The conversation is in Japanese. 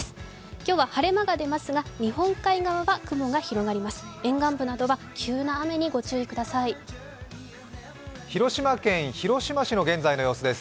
今日は晴れ間が出ますが、日本海側は雲が出ます。